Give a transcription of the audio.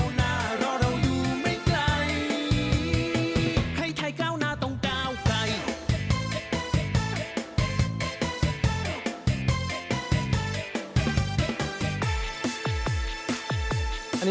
ให้ไทยก้าวหน้าต้องก้าวกล่าย